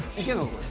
これ。